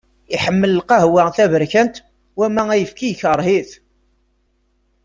Iḥemmel lqahwa taberkant, wama ayefki ikreh-it.